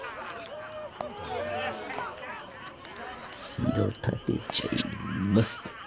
城建てちゃいますと。